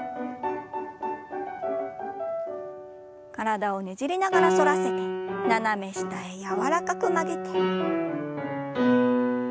体をねじりながら反らせて斜め下へ柔らかく曲げて。